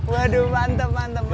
waduh mantap mantap mantap